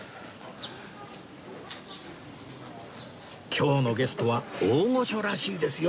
今日のゲストは大御所らしいですよ